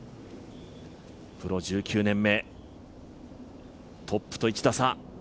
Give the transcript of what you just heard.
プロ１９年目、トップと１打差。